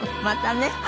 またね。